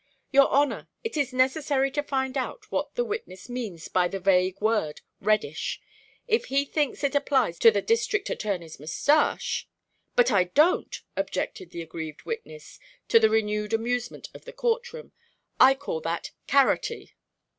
"Your Honor, it is necessary to find out what the witness means by the vague word 'reddish.' If he thinks it applies to the District Attorney's moustache" "But I don't," objected the aggrieved witness, to the renewed amusement of the court room. "I call that carroty."